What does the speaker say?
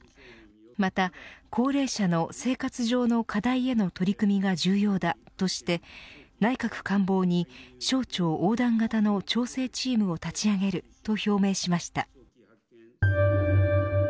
また高齢者の生活上の課題への取り組みが重要だとして内閣官房に省庁横断型の調整チームを立ち上げると表明しました。